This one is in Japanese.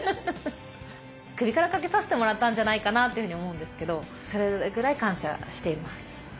首からかけさせてもらったんじゃないかなっていうふうに思うんですけどそれぐらい感謝しています。